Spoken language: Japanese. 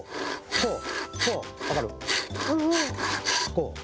こう。